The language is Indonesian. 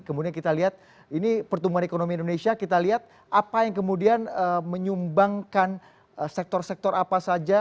kemudian kita lihat ini pertumbuhan ekonomi indonesia kita lihat apa yang kemudian menyumbangkan sektor sektor apa saja